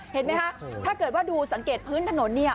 เห็นไหมคะถ้าเกิดว่าดูสังเกตพื้นถนนเนี่ย